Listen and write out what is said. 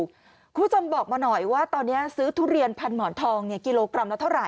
คุณผู้ชมบอกมาหน่อยว่าตอนนี้ซื้อทุเรียนพันหมอนทองกิโลกรัมละเท่าไห